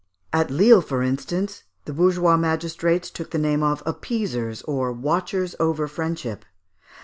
At Lisle, for instance, the bourgeois magistrates took the name of appeasers, or watchers over friendship.